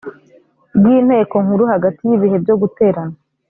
bw inteko nkuru hagati y ibihe byo guterana